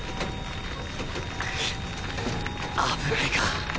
くっ危ないか。